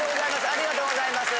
ありがとうございます。